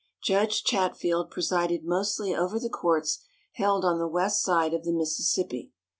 Judge Chatfield presided mostly over the courts held on the west side of the Mississippi.